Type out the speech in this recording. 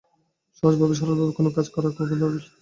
সহজভবে সরলভাবে কোনো কাজ করা কুমুদের কুষ্ঠিতে লেখে না।